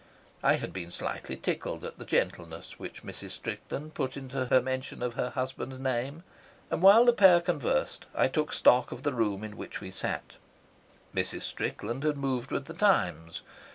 I had been slightly tickled at the gentleness which Mrs. Strickland put into her mention of her husband's name, and while the pair conversed I took stock of the room in which we sat. Mrs. Strickland had moved with the times.